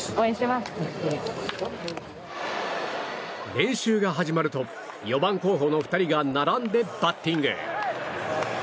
練習が始まると４番候補の２人が並んでバッティング。